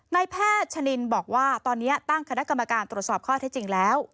นายแพทย์ชะนินบอกว่าตอนนี้ตั้งคณะกรรมการตรวจสอบข้อเท็จจริงแล้ว